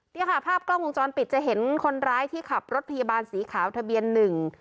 เนี่ยค่ะภาพกล้องวงจรปิดจะเห็นคนร้ายที่ขับรถพยาบาลสีขาวทะเบียนหนึ่ง